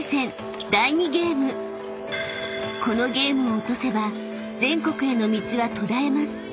［このゲームを落とせば全国への道は途絶えます］